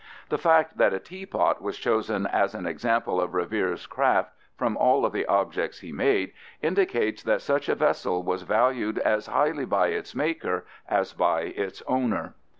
The fact that a teapot was chosen as an example of Revere's craft, from all of the objects he made, indicates that such a vessel was valued as highly by its maker as by its owner.